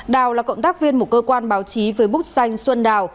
đào là cộng tác viên một cơ quan báo chí với bức danh xuân đào